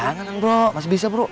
jangan bro masih bisa bro